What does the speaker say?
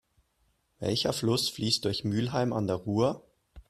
Welcher Fluss fließt durch Mülheim an der Ruhr?